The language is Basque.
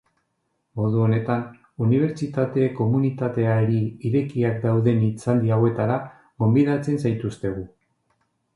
Modu honetan unibertsitate komunitateari irekiak dauden hitzaldi hauetara gonbidatzen zaituztegu.